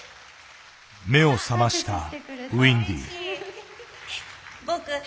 目を覚ましたウインディ。